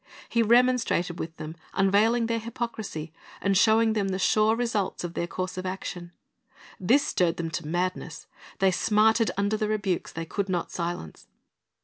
He remonstrated with them, unveiling their hypocrisy, and showing them the sure results of their course of action. This stirred them to madness. They smarted under the rebukes they could not silence.